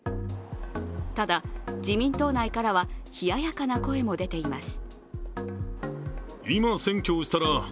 ただ、自民党内からは冷ややかな声も出ています。